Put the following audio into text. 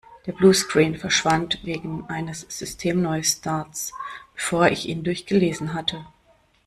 Der Bluescreen verschwand wegen eines Systemneustarts, bevor ich ihn durchgelesen hatte.